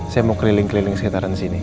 saya mau keliling keliling sekitaran sini